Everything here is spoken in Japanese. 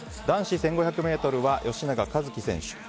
男子１５００ｍは吉永一貴選手